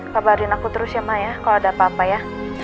kabarin aku terus ya mak ya kalau ada apa apa ya